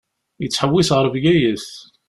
Yettḥewwis ar Bgayet.